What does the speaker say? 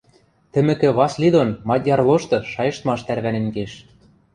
Тӹмӹкӹ Васли дон мадьяр лошты шайыштмаш тӓрвӓнен кеш.